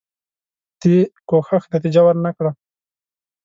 دې کوښښ نتیجه ورنه کړه.